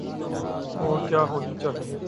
اورکیا ہونی چاہیے۔